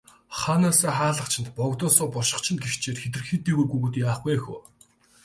Хаанаасаа хаалгач нь, богдоосоо бошгоч нь гэгчээр хэтэрхий дээгүүр гүйгээд яах вэ хөө.